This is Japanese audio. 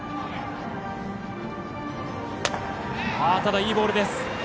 いいボールです。